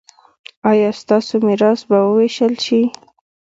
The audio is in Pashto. ایا ستاسو میراث به ویشل شي؟